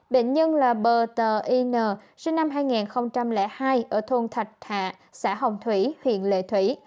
bệnh nhân là bờ tờ y n sinh năm hai nghìn hai ở thôn thạch thạ xã hồng thủy huyện lệ thủy